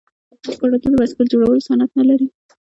آیا کاناډا د بایسکل جوړولو صنعت نلري؟